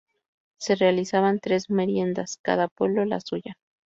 Se realizaban tres meriendas: cada pueblo la suya.